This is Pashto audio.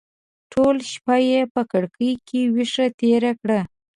ټوله شپه یې په کړکۍ کې ویښه تېره کړه.